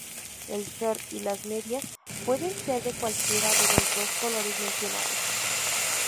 El short y las medias pueden ser de cualquiera de los dos colores mencionados.